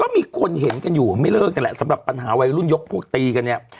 ก็มีคนเห็นกันอยู่ไม่เลิกนั่นแหละสำหรับปัญหาวัยรุ่นยกพวกตีกันเนี่ย